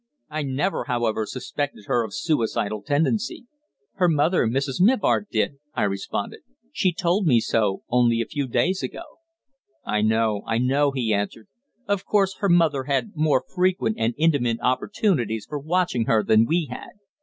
I never, however, suspected her of suicidal tendency." "Her mother, Mrs. Mivart, did," I responded. "She told me so only a few days ago." "I know, I know," he answered. "Of course, her mother had more frequent and intimate opportunities for watching her than we had.